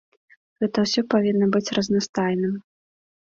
Гэта ўсё павінна быць разнастайным.